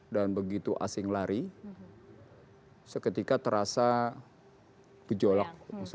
dan begitu asing lari seketika terasa berjolak